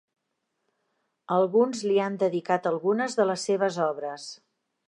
Alguns li han dedicat algunes de les seves obres.